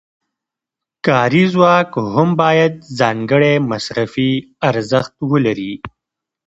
کاري ځواک هم باید ځانګړی مصرفي ارزښت ولري